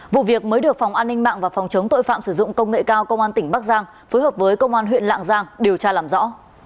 vụ việc mới được phòng an ninh mạng và phòng chống tội phạm sử dụng công nghệ cao công an tỉnh bắc giang phối hợp với công an huyện lạng giang điều tra làm rõ